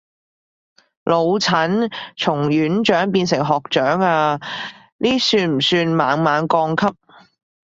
老陳從院長變成學長啊，呢算不算猛猛降級